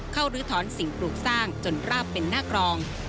ลื้อถอนสิ่งปลูกสร้างจนราบเป็นหน้ากรอง